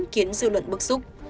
khiến dư luận bức xúc